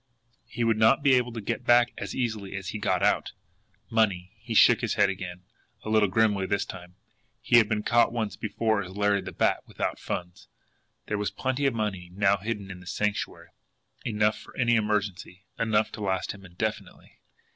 He would not be able to get back as easily as he got out! Money! He shook his head again a little grimly this time. He had been caught once before as Larry the Bat without funds! There was plenty of money now hidden in the Sanctuary, enough for any emergency, enough to last him indefinitely.